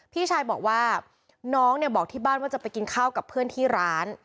พี่ชายบอกว่าน้องเนี่ยบอกที่บ้านว่าจะไปกินข้าวกับเพื่อนที่ร้าน